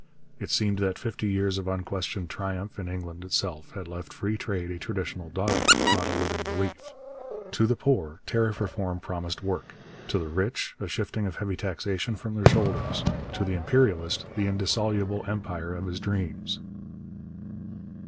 It seemed that fifty years of unquestioned triumph in England itself had left free trade a traditional dogma, not a living belief. To the poor, tariff reform promised work; to the rich, a shifting of heavy taxation from their shoulders; to the imperialist, the indissoluble empire of his dreams.